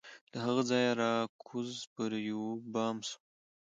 له هغه ځایه را کوز پر یوه بام سو